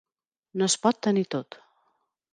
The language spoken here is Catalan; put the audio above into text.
No es pot tenir tot.